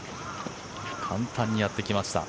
簡単にやってきました。